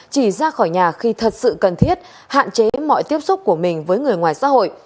chỉ ra khỏi nhà khi thật sự cần thiết hạn chế mọi tiếp xúc của mình với người ngoài xã hội